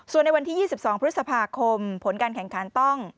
ส่วนในวันที่๒๒พฤษภาคมผลการแข่งขันต้อง